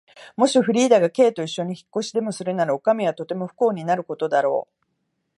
もしフリーダが Ｋ といっしょに引っ越しでもするなら、おかみはとても不幸になることだろう。